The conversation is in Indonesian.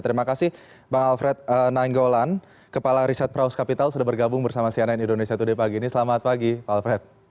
terima kasih bang alfred nainggolan kepala riset praus kapital sudah bergabung bersama cnn indonesia today pagi ini selamat pagi pak alfred